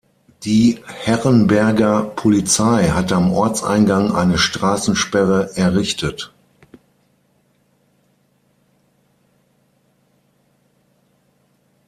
Die Herrenberger Polizei hatte am Ortseingang eine Straßensperre errichtet.